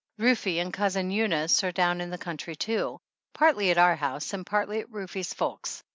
Rufe and Cousin Eunice are down in the coun try too, partly at our house and partly at Rufe's folks'.